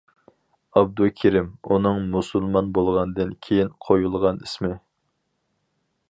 «ئابدۇكېرىم» ئۇنىڭ مۇسۇلمان بولغاندىن كېيىن قويۇلغان ئىسمى.